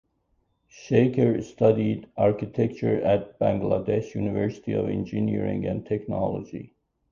Shaker studied architecture at Bangladesh University of Engineering and Technology.